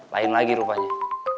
lain lagi rupanya